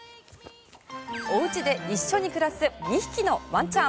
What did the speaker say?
お家で一緒に暮らす２匹のワンちゃん。